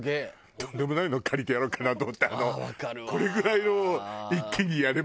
とんでもないのを借りてやろうかなと思ってこれぐらいのを一気にやれば。